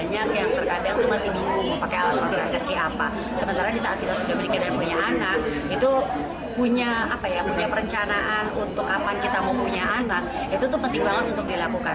punya perencanaan untuk kapan kita mau punya anak itu tuh penting banget untuk dilakukan